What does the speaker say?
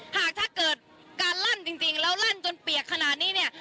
หากถ้าเกิดการลั่นจริงแล้วลั่นจนเปียกขนาดนี้เนี่ย